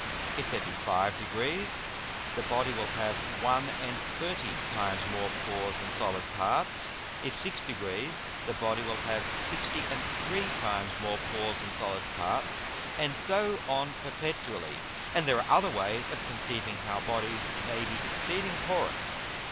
If there be five degrees, the Body will have one and thirty times more Pores than solid Parts. If six degrees, the Body will have sixty and three times more Pores than solid Parts. And so on perpetually. And there are other ways of conceiving how Bodies may be exceeding porous.